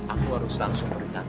aku harus langsung berdekat